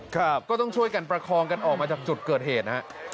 ก็ต้องช่วยกันประคองกันออกมาจากจุดเกิดเหตุนะครับ